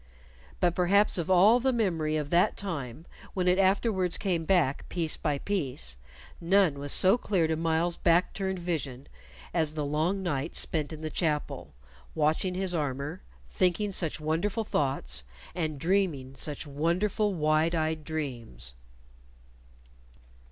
But perhaps of all the memory of that time, when it afterwards came back piece by piece, none was so clear to Myles's back turned vision as the long night spent in the chapel, watching his armor, thinking such wonderful thoughts, and dreaming such wonderful wide eyed dreams.